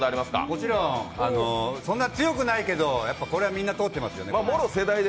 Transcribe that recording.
もちろん、そんな強くないけどこれはみんな通ってますよね。